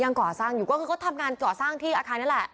ก่อสร้างอยู่ก็คือเขาทำงานก่อสร้างที่อาคารนั่นแหละ